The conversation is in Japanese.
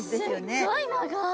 すっごい長い。